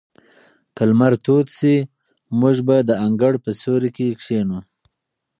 که لمر تود شي، موږ به د انګړ په سیوري کې کښېنو.